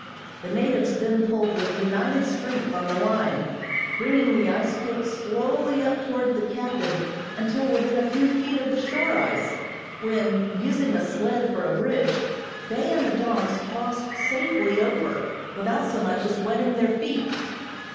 The natives then pulled with united strength on the line, bringing the ice cake slowly up toward the captain until within a few feet of the shore ice, when, using a sled for a bridge, they and the dogs crossed safely over, without so much as wetting their feet.